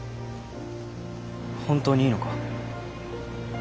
本当にいいのか？